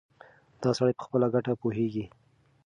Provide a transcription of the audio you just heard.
دا سړی په خپله ګټه پوهېږي.